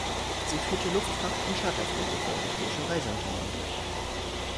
Sie führte Luftfracht- und Charterflüge für europäische Reiseunternehmen durch.